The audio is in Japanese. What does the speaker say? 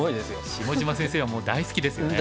下島先生はもう大好きですよね。